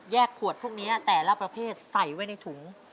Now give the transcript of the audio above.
ขวดพวกนี้แต่ละประเภทใส่ไว้ในถุง